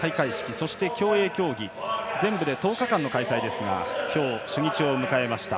そして競泳競技全部で１０日間の開催ですが今日、初日を迎えました。